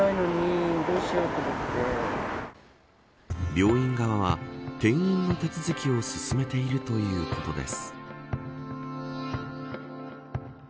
病院側は、転院の手続きを進めているということです。